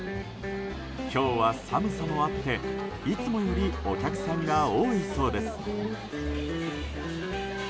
今日は寒さもあって、いつもよりお客さんが多いそうです。